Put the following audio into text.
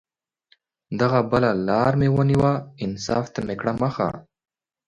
دغه بله لار مې ونیوه، انصاف ته مې کړه مخه